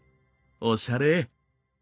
おしゃれ！